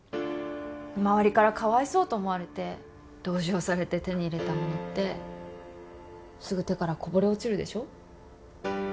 周りからかわいそうと思われて同情されて手に入れたものってすぐ手からこぼれ落ちるでしょ？